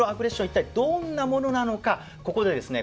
一体どんなものなのかここでですね